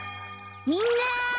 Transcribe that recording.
みんな！